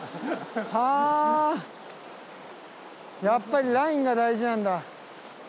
やっぱりラインが大事なんだ。